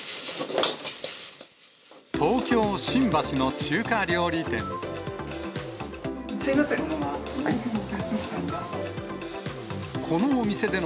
東京・新橋の中華料理店。